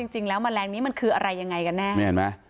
จริงแล้วแมลงนี้มันคืออะไรยังไงกันแน่